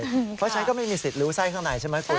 เพราะฉันก็ไม่มีสิทธิ์รู้ไส้ข้างในใช่ไหมคุณ